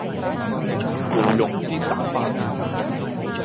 芙蓉煎蛋飯